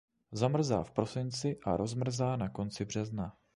Zamrzá v prosinci a rozmrzá na konci března.